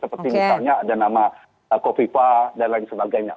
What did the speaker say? seperti misalnya ada nama kofifa dan lain sebagainya